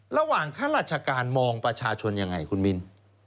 ข้าราชการมองประชาชนยังไงคุณมิน